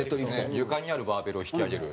床にあるバーベルを引き上げる。